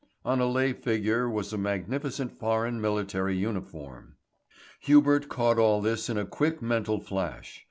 On a lay figure was a magnificent foreign military uniform. Hubert caught all this in a quick mental flash.